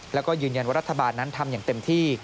แล้วก็ยืนยันว่ารัฐบาลนั้นทำอย่างเต็มที่